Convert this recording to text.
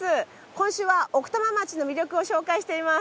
今週は奥多摩町の魅力を紹介しています。